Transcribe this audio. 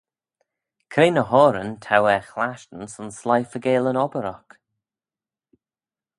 Cre ny h-oyryn t'ou er chlashtyn son sleih faagail yn obbyr oc?